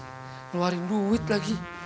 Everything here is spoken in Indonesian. keluarin duit lagi